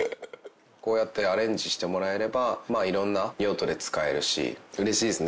こうやってアレンジしてもらえればいろんな用途で使えるし嬉しいですね。